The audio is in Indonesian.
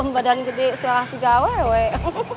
badan gede suara segawa weh